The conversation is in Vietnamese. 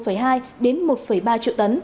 có thể thấy việt nam rất rồi rào sản lượng